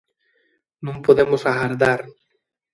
Non podemos agardar.